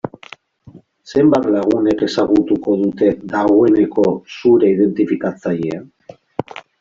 Zenbat lagunek ezagutuko dute, dagoeneko zure identifikatzailea?